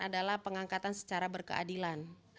adalah pengangkatan secara berkeadilan